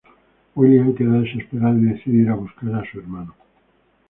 William queda desesperado y decide ir a buscar a su hermano.